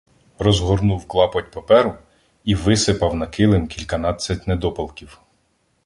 Розгорнув клапоть паперу і висипав на килим кільканадцять недопалків.